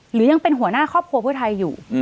หรือยังเป็นหัวหน้าครอบครัวเพื่อไทยอยู่